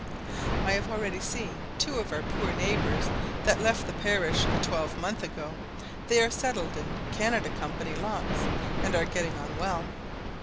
I have already seen two of our poor neighbours that left the parish a twelvemonth ago; they are settled in Canada Company lots, and are getting on well.